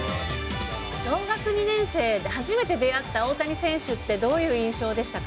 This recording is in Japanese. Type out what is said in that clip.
小学２年生で初めて出会った大谷選手って、どういう印象でしたか？